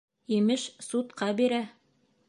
Имеш, судҡа бирә.